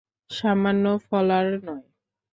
সামান্য ফলার নয়।